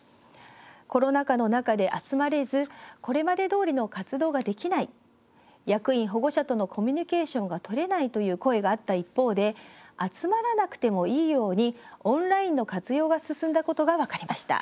コロナ禍の中で集まれずこれまでどおりの活動ができない役員・保護者とのコミュニケーションが取れないという声があった一方で集まらなくてもいいようにオンラインの活用が進んだことが分かりました。